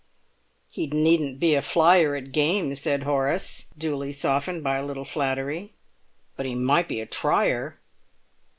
"He needn't be a flyer at games," said Horace, duly softened by a little flattery. "But he might be a tryer!"